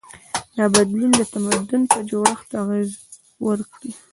دا بدلون د تمدن په جوړښت اغېز وکړ.